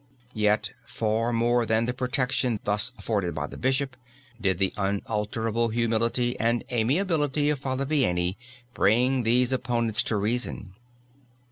Yet, far more than the protection thus afforded by the bishop, did the unalterable humility and amiability of Father Vianney bring these opponents to reason.